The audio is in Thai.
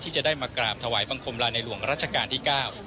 ที่จะได้มากราบถวายบังคมลาในหลวงรัชกาลที่๙